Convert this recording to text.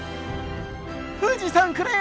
富士山くれ！